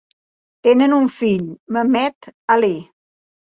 Tenen un fill, Mehmet Ali.